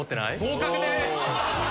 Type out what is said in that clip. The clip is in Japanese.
合格です。